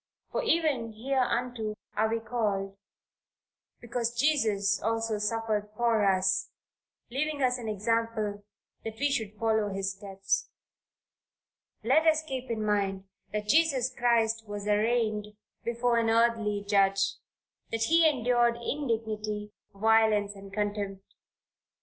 "For even hereunto are we called, because Christ also suffered for us, leaving us an example that we should follow his steps." Let us keep in mind, that Jesus Christ was arraigned before an earthly judge, that he endured indignity, violence and contempt.